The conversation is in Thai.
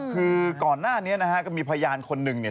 คือก่อนหน้านี้นะฮะก็มีพยานคนหนึ่งเนี่ย